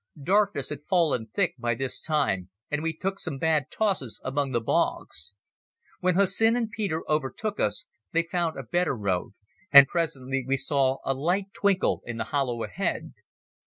Darkness had fallen thick by this time, and we took some bad tosses among the bogs. When Hussin and Peter overtook us they found a better road, and presently we saw a light twinkle in the hollow ahead.